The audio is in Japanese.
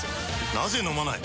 なぜ飲まない？